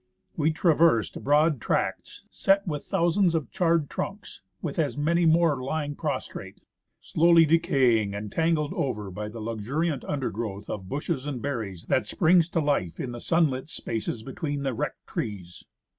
We traversed broad tracts set with thousands of charred trunks, with as many more lying prostrate, slowly decaying, and tangled over by the luxuriant undergrowth of bushes and berries that springs to life in the sunlit spaces between the wrecked trees.